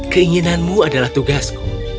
keinginanmu adalah tugasku